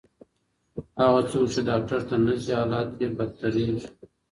هغه څوک چې ډاکټر ته نه ځي، حالت یې بدتریږي.